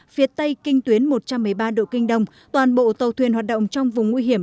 phía tây kinh tuyến một trăm một mươi ba độ kinh đông toàn bộ tàu thuyền hoạt động trong vùng nguy hiểm